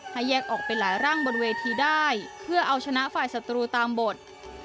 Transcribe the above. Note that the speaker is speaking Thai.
แยกออกเป็นหลายร่างบนเวทีได้เพื่อเอาชนะฝ่ายศัตรูตามบท